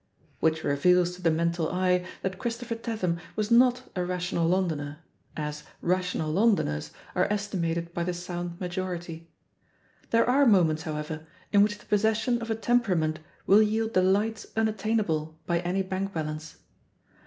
Which reveals to the mental eye that Chris topher Tatham was not a rational Londoner, as ^'rational Londoners" are estimated by the sound majority. There are moments, however, in which the possession of a temperament will yield de lights unattainable by any bank balance.